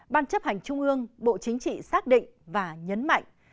ban chấp hành trung ương bộ chính trị xác định và nhấn mạnh